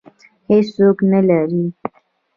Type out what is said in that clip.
هېڅوک نه لري